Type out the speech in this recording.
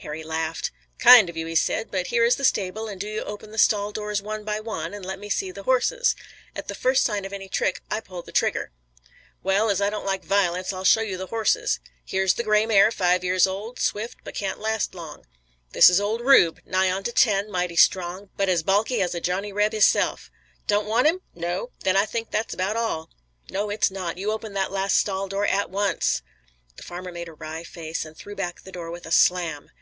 Harry laughed. "Kind of you," he said, "but here is the stable and do you open the stall doors one by one, and let me see the horses. At the first sign of any trick I pull the trigger." "Well, as I don't like violence I'll show you the horses. Here's the gray mare, five years old, swift but can't last long. This is old Rube, nigh onto ten, mighty strong, but as balky as a Johnny Reb hisself. Don't want him! No? Then I think that's about all." "No it's not! You open that last stall door at once!" The farmer made a wry face, and threw back the door with a slam.